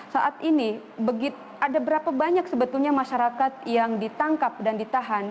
saat ini ada berapa banyak sebetulnya masyarakat yang ditangkap dan ditahan